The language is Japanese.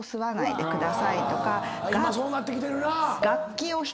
今そうなってきてるなぁ。